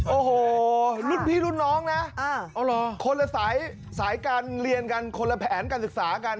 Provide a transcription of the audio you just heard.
โอ้โหรุ่นพี่รุ่นน้องนะคนละสายการเรียนกันคนละแผนการศึกษากัน